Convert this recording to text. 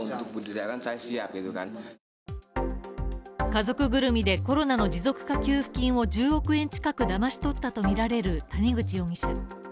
家族ぐるみでコロナの持続化給付金を１０億円近くだまし取ったとみられる谷口容疑者